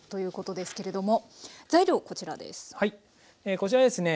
こちらですね。